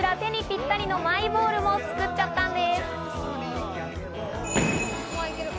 さらにこちら、手にぴったりのマイボールも作っちゃったんです。